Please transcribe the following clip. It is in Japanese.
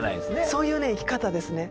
そういうね生き方ですね。